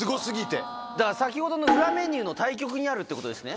先ほどの裏メニュー。にあるってことですね。